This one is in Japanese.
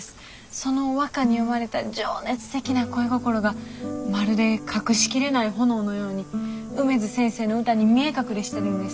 その和歌に詠まれた情熱的な恋心がまるで隠しきれない炎のように梅津先生の歌に見え隠れしてるんです。